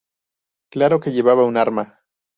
Claro que llevaba un arma.